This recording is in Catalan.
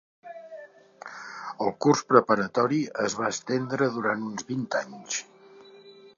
El curs preparatori es va estendre durant uns vint anys.